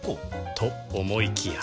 と思いきや